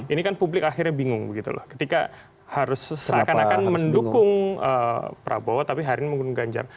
ini kan publik akhirnya bingung begitu loh ketika harus seakan akan mendukung prabowo tapi hari ini menggunakan ganjar